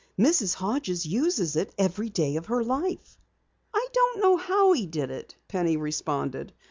Mrs. Hodges uses it every day of her life." "I don't know how he did it," Penny responded.